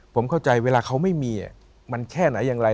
ผมเข้าใจเวลาเขาไม่มีมันแค่ไหนอย่างไร